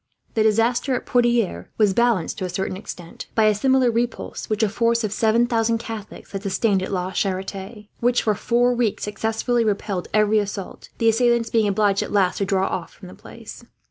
The disaster at Poitiers was balanced, to a certain extent, by a similar repulse which a force of seven thousand Catholics had sustained, at La Charite; which for four weeks successfully repelled every assault, the assailants being obliged, at last, to draw off from the place.